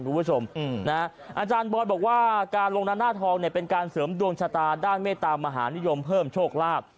คุณผู้ชมอาจารย์บอยบอกว่าการลงหน้าทองเนี่ยเป็นการเสริมดวงชะตาด้านเมตามหานิยมเพิ่มโชคลาภ